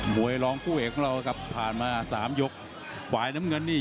วยร้องคู่เอกของเราครับผ่านมาสามยกฝ่ายน้ำเงินนี่